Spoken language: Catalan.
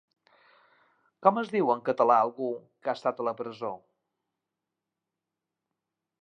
Com es diu en català algú que ha estat a la presó?